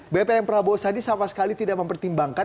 bpm prabowo sadi sama sekali tidak mempertimbangkan